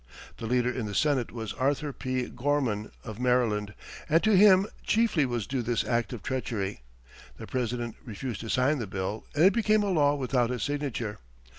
The leader in the Senate was Arthur P. Gorman, of Maryland, and to him chiefly was due this act of treachery. The President refused to sign the bill, and it became a law without his signature.